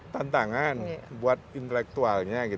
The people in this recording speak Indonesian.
bentangan buat intelektualnya